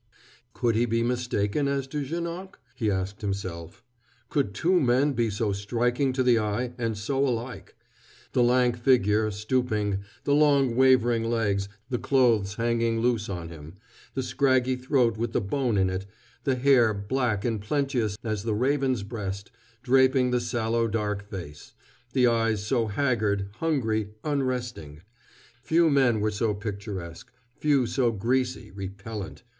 Could he be mistaken as to Janoc? he asked himself. Could two men be so striking to the eye, and so alike the lank figure, stooping; the long wavering legs, the clothes hanging loose on him; the scraggy throat with the bone in it; the hair, black and plenteous as the raven's breast, draping the sallow dark face; the eyes so haggard, hungry, unresting. Few men were so picturesque: few so greasy, repellent.